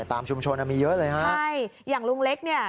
ตามชุมชนอ่ะมีเยอะเลยฮะใช่อย่างลุงเล็กเนี่ย